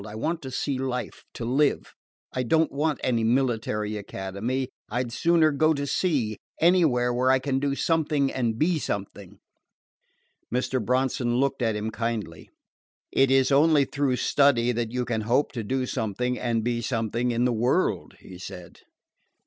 I want to see life to live. I don't want any military academy; I 'd sooner go to sea anywhere where I can do something and be something." Mr. Bronson looked at him kindly. "It is only through study that you can hope to do something and be something in the world," he said.